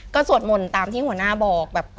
ก็สวดหม่นตามที่หัวหน้าบอก